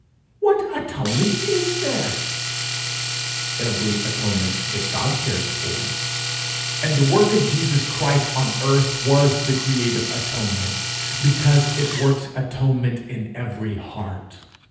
'What atonement is there?' Every atonement that God cares for; and the work of Jesus Christ on earth was the creative atonement, because it works atonement in every heart.